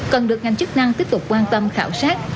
cần được ngành chức năng tiếp tục quan tâm khảo sát